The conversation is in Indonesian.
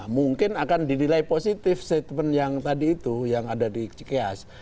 mungkin akan dinilai positif statement yang tadi itu yang ada di cikeas